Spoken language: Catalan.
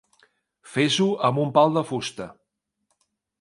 Fes-ho amb un pal de fusta.